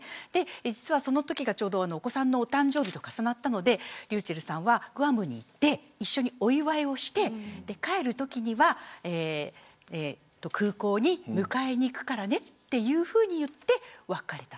実はそのときがちょうどお子さんの誕生日と重なったのでｒｙｕｃｈｅｌｌさんはグアムに行って一緒にお祝いをして帰るときには空港に迎えに行くからねというふうに言って別れた。